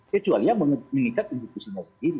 kecuali yang mengikat institusinya sendiri